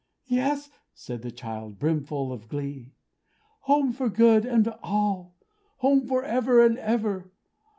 "Yes," said the child, brimful of glee. "Home, for good and all. Home, for ever and ever.